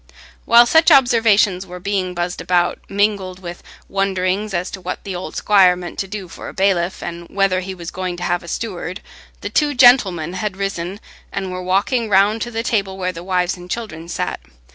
While such observations were being buzzed about, mingled with wonderings as to what the old squire meant to do for a bailiff, and whether he was going to have a steward, the two gentlemen had risen, and were walking round to the table where the wives and children sat.